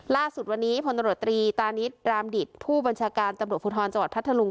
ล่าสุดวันนี้พลตำรวจตรีตานิดรามดิตผู้บัญชาการตำรวจภูทรจังหวัดพัทธลุง